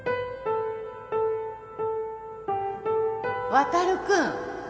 航君。